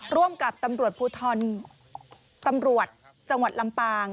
ร่วมกับตำรวจภูทรตำรวจจังหวัดลำปาง